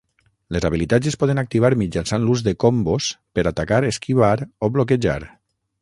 Les habilitats es poden activar mitjançant l'ús de combos per atacar, esquivar o bloquejar.